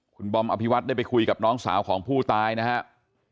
คุณบอมอภิวัตได้ไปคุยกับน้องสาวของผู้ตายนะครับ